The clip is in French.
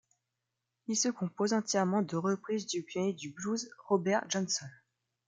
Il se compose entièrement de reprises du pionnier du blues Robert Johnson.